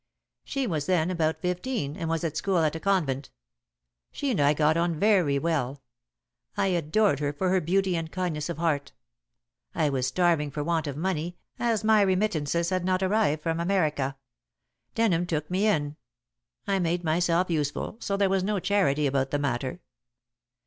She was then about fifteen and was at school at a convent. She and I got on very well. I adored her for her beauty and kindness of heart. I was starving for want of money, as my remittances had not arrived from America. Denham took me in. I made myself useful, so there was no charity about the matter."